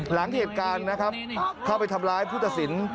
หลังเหตุการณ์นะครับเข้าไปทำร้ายผู้ตัดสิน